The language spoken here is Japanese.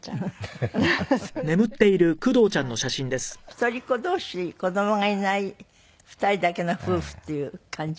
一人っ子同士子どもがいない２人だけの夫婦っていう感じ？